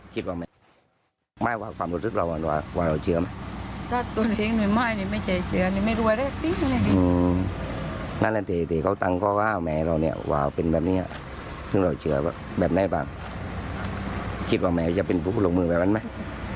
ถ้าเป็นแบบนี้ถ้าเราเชื่อว่าแบบนี้หรือเปล่าคิดว่าแม่จะเป็นผู้ลงมือแบบนั้นไหม